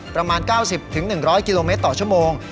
ประมาณ๙๐๑๐๐กิโลเมตรต่อชั่วโมง